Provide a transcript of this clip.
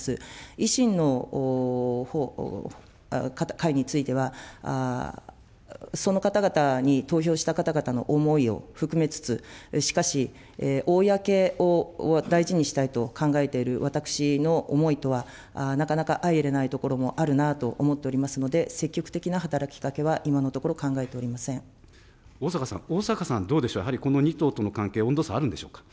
維新の会については、その方々に投票した方々の思いを含めつつ、しかし、公を大事にしたいと考えている私の思いとはなかなか相いれないところもあるなと思っておりますので、積極的な働きかけは今のとこ逢坂さん、逢坂さん、どうでしょう、やはりこの２党との関係、温度差あるんでしょうか。